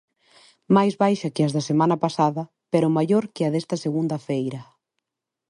Máis baixa que as da semana pasada pero maior que a desta segunda feira.